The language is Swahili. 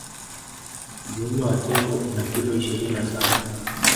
Uume wa tembo una kilo ishirini na saba